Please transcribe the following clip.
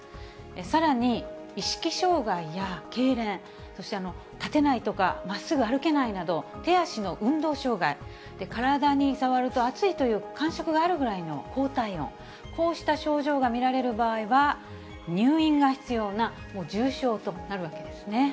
さらに意識障害やけいれん、そして立てないとか、まっすぐ歩けないなど、手足の運動障害、体に触ると熱いという感触があるぐらいの高体温、こうした症状が見られる場合は、入院が必要な、重症となるわけですね。